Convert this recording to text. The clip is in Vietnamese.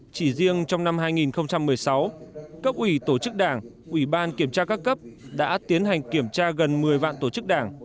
chỉ riêng trong năm hai nghìn một mươi sáu cấp ủy tổ chức đảng ủy ban kiểm tra các cấp đã tiến hành kiểm tra gần một mươi vạn tổ chức đảng